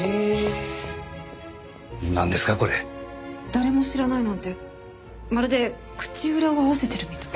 誰も知らないなんてまるで口裏を合わせてるみたい。